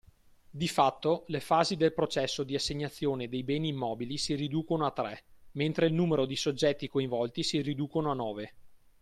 Di fatto le fasi del processo di assegnazione dei beni immobili si riducono a tre, mentre il numero di soggetti coinvolti si riducono a nove.